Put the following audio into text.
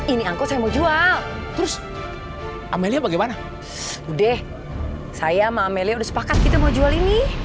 ini angkot saya mau jual terus amelia bagaimana udah saya sama amelia udah sepakat kita mau jual ini